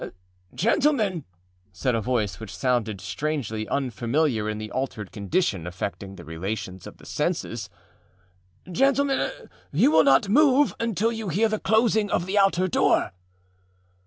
âGentlemen,â said a voice which sounded strangely unfamiliar in the altered condition affecting the relations of the sensesââgentlemen, you will not move until you hear the closing of the outer door.